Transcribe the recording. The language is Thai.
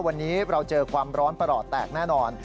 วันนี้เราเจอความร้อนประหลอดแตกแน่นอน